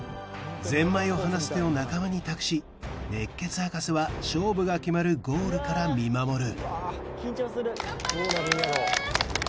ゼンマイを離す手を仲間に託し熱血ハカセは勝負が決まるゴールから見守る頑張れ！